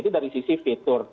itu dari sisi fitur